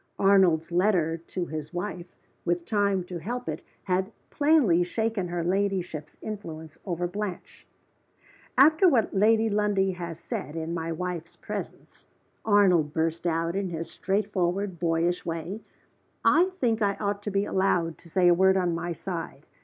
Arnold's letter to his wife, with time to help it, had plainly shaken her ladyship's influence over Blanche. "After what Lady Lundie has said, in my wife's presence," Arnold burst out, in his straightforward, boyish way, "I think I ought to be allowed to say a word on my side.